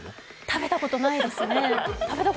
食べたことないです。